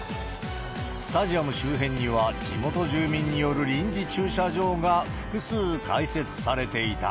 スタジアム周辺には、地元住民による臨時駐車場が複数開設されていた。